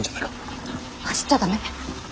走っちゃ駄目。